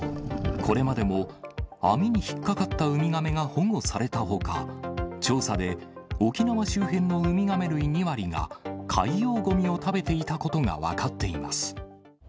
これまでも網に引っ掛かったウミガメが保護されたほか、調査で、沖縄周辺のウミガメ類２割が、海洋ごみを食べていたことが分かっています。